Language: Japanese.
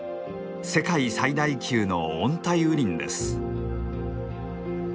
世界最大級の温帯雨林です。